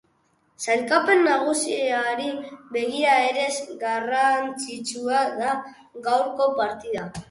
Sailkapen nagusiari begira ere garrantzitsua da gaurko partida.